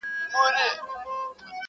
نیمګړي عمر ته مي ورځي د پېغور پاته دي؛